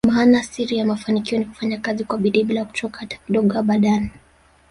Maana Siri ya mafanikio Ni kufanya Kazi kwa bidii bila kuchoka hata kidogo abadani